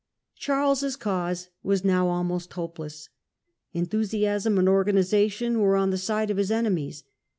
Charles's cause was now almost hopeless. Enthusiasm and organization were on the side of his enemies.